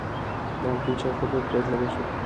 د ماپښین چای خوړلو پرېکړه وشوه.